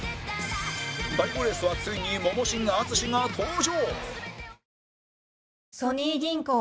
第５レースはついにモモ神淳が登場！